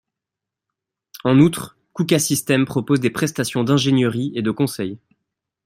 En outre, Kuka Systems propose des prestations d’ingénierie et de conseil.